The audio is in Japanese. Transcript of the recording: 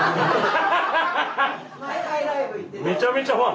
めちゃめちゃファン。